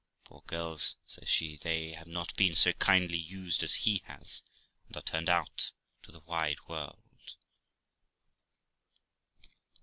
Poor girls', says she, 'they have not been so kindly used as he has, and are turned out to the wide world.'